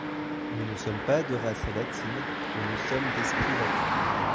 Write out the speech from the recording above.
Nous ne sommes pas de race latine, mais nous sommes d'esprit latin.